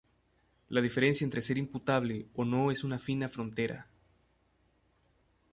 La diferencia entre ser imputable o no es una fina frontera.